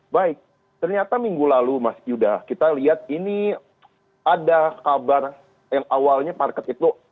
baik ternyata minggu lalu mas yuda kita lihat ini ada kabar yang awalnya market itu